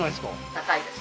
高いです